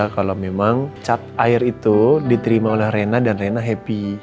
kalau memang cat air itu diterima oleh rena dan rena happy